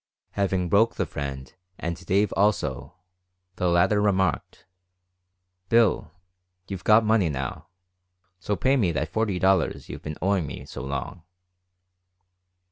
Having broke the friend and Dave also, the latter remarked, "Bill, you've got money now, so pay me that forty dollars you've been owing me so long."